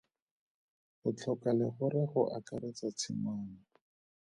O tlhoka legora go akaretsa tshingwana.